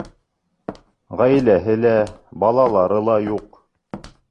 Ғаиләһе лә, балалары ла юҡ.